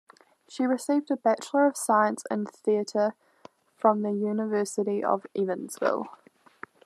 She received a Bachelor of Science in Theatre from the University of Evansville.